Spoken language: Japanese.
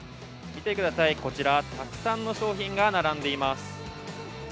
見てください、こちら、たくさんの商品が並んでいます。